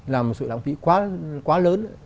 là một sự lãng phí quá lớn